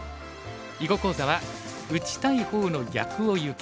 囲碁講座は「打ちたい方の逆をゆけ！」。